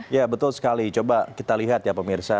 ya betul sekali coba kita lihat ya pemirsa